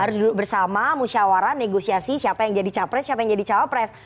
harus duduk bersama musyawarah negosiasi siapa yang jadi capres siapa yang jadi cawapres